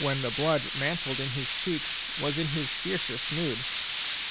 the blood mantled his cheeks, was in his fiercest mood.